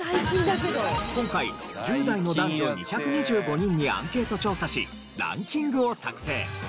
今回１０代の男女２２５人にアンケート調査しランキングを作成。